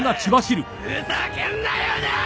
ふざけんなよなぁ！！